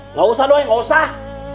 tidak usah doi tidak usah